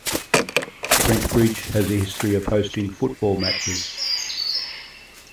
Trent Bridge has a history of hosting football matches.